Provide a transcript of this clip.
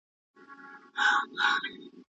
د نورو خلکو عزت د خپل عزت په څېر وساته.